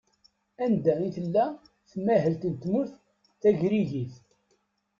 Anda i tella tmahelt n tmurt tagrigit?